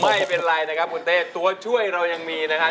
ไม่เป็นไรนะครับคุณเต้ตัวช่วยเรายังมีนะครับ